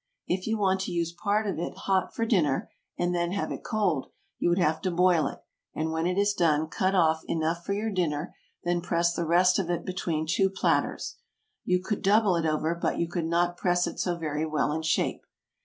If you want to use part of it hot for dinner, and then have it cold, you would have to boil it, and when it is done cut off enough for your dinner; then press the rest of it between two platters. You could double it over, but you could not press it so very well in shape.